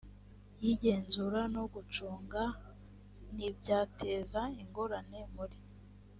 y igenzura no gucunga n ibyateza ingorane muri